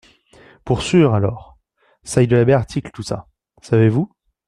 Pour sûr, alors, ç’aïe de la belle article, tout ça, savez-vous !